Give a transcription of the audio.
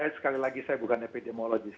sekali lagi saya bukan epidemiologis